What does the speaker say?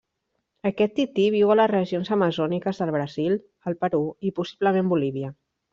Aquest tití viu a les regions amazòniques del Brasil, el Perú i possiblement Bolívia.